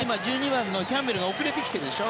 １２番のキャンベルが遅れてきてるでしょ。